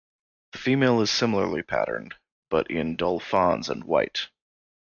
The female is similarly patterned but in dull fawns and white.